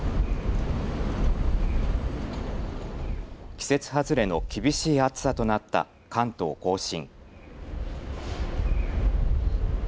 季節外れの厳しい暑さとなった関東甲信。